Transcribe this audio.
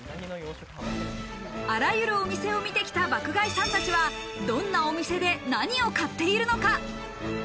あらゆるお店を見てきた爆買いさんたちは、どんなお店で何を買っているのか。